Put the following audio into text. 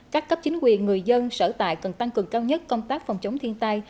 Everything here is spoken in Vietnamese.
các cấp chính quyền người dân sở tại cần tăng cường cao nhất công tác phòng chống thiên tai